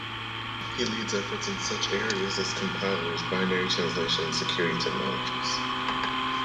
He leads efforts in such areas as compilers, binary translation and security technologies.